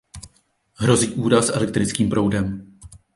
Hrozí úraz elektrickým proudem.